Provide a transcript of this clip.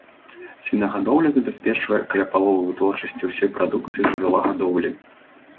Свінагадоўля забяспечвае каля паловы вытворчасці ўсёй прадукцыі жывёлагадоўлі.